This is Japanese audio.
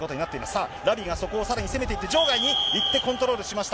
さあ、ラビがそこをさらに攻めていって場外に行ってコントロールしました。